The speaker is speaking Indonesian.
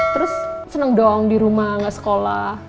terus seneng dong di rumah gak sekolah